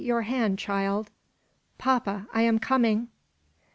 your hand, child!" "Papa, I am coming!"